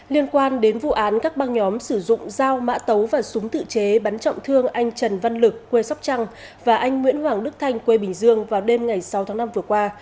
liên quan đến vụ án các băng nhóm sử dụng dao mã tấu và súng tự chế bắn trọng thương anh trần văn lực quê sóc trăng và anh nguyễn hoàng đức thanh quê bình dương vào đêm ngày sáu tháng năm vừa qua